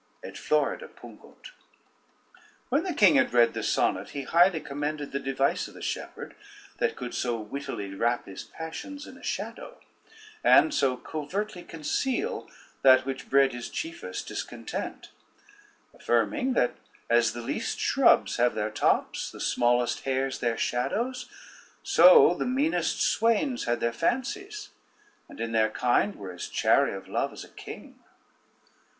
Et florida pungunt. When the king had read this sonnet he highly commended the device of the shepherd, that could so wittily wrap his passions in a shadow, and so covertly conceal that which bred his chiefest discontent; affirming, that as the least shrubs have their tops, the smallest hairs their shadows, so the meanest swains had their fancies, and in their kind were as chary of love as a king.